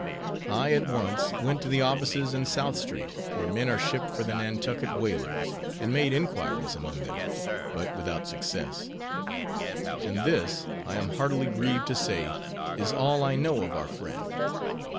I at once went to the offices in South street, where men are shipped for the Nantucket whalers, and made inquiries among them; but without success. And this,_ I _am heartily grieved to say, is all I know of our friend.